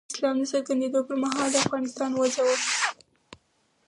د اسلام د څرګندېدو پر مهال د افغانستان وضع وه.